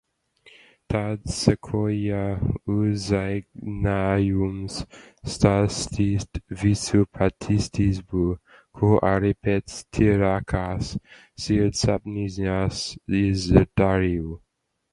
Tad sekoja uzaicinājums stāstīt visu patiesību, ko arī pēc tīrākās sirdsapziņas izdarīju.